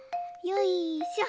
よいしょ。